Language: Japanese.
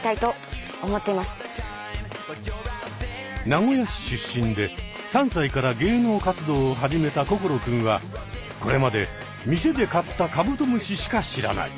名古屋市出身で３さいから芸能活動を始めた心君はこれまで店で買ったカブトムシしか知らない。